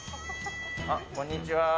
あっ、こんにちは。